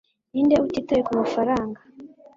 ninde utitaye kumafaranga